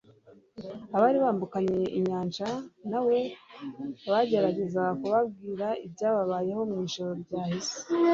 Abari bambukanye inyanja na we bagerageza kubabwira ibyababayeho mu ijoro ryahise;